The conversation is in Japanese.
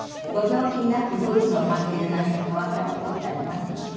「ご病気になって夫婦の関係で何か変わった事ってあります？」